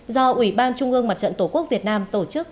do ủy ban trung ương mặt trận tổ quốc việt nam tổ chức